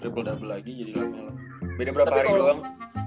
beda berapa hari doang